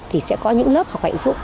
thì sẽ có những lớp học hạnh phúc